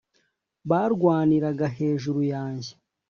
barwaniraga hejuru yanjye